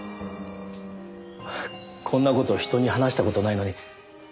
こんな事を人に話した事ないのに。